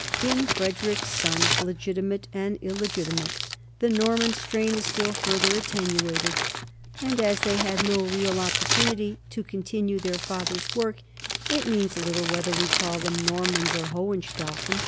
In Fred erick's sons, legitimate and illegitimate, the Norman strain is still further attenuated, and as they had no real opportunity to continue their father's work, it matters little whether we call them Normans or Ho henstaufen.